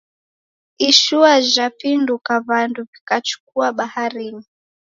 Ishua jhapinduka w'andu w'ikachukua baharinyi